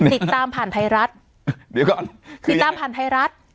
ติดตามผ่านไทยรัฐเดี๋ยวก่อนติดตามผ่านไทยรัฐ